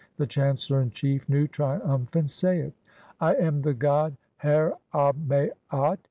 The chancellor in chief, Nu, triumphant, saith :— "I am the god Her ab maat f